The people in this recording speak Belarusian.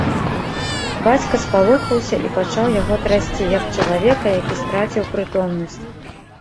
Бацька спалохаўся і пачаў яго трасці, як чалавека, які страціў прытомнасць.